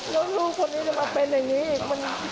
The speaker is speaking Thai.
แล้วลูกคนนี้จะมาเป็นอย่างนี้อีก